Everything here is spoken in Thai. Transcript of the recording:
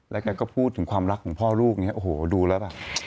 แล้วแกก็พูดถึงความรักของพ่อลูกเนี่ยโอ้โหดูแล้วแบบ